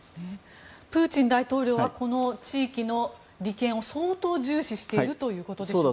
プーチン大統領はこの地域の利権を相当重視しているということでしょうか。